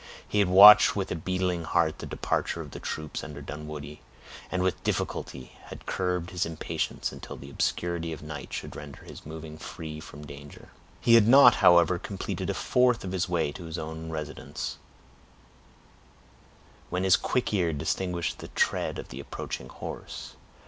He had watched with a beating heart the departure of the troops under Dunwoodie, and with difficulty had curbed his impatience until the obscurity of night should render his moving free from danger. He had not, however, completed a fourth of his way to his own residence, when his quick ear distinguished the tread of the approaching horse.